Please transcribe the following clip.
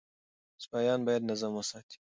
سپایان باید نظم وساتي.